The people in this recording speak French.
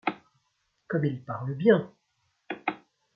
Comme il parle bien !